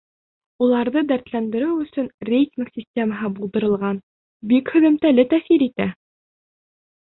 Уларҙы дәртләндереү өсөн рейтинг системаһы булдырылған — бик һөҙөмтәле тәьҫир итә!